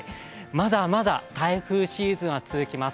まだまだ台風シーズンは続きます。